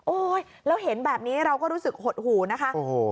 แล้วเห็นแบบนี้เราก็รู้สึกหดหูนะคะ